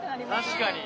確かに！